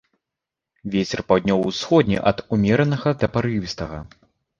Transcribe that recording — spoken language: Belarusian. Вецер паўднёва-ўсходні ад умеранага да парывістага.